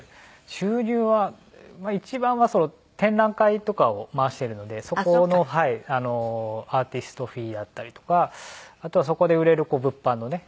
収入は一番は展覧会とかを回しているのでそこのアーティストフィーだったりとかあとはそこで売れる物販のね